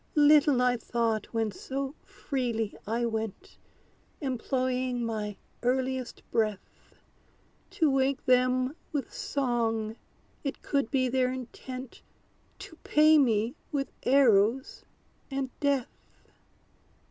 Little I thought, when so freely I went, Employing my earliest breath, To wake them with song, it could be their intent To pay me with arrows and death!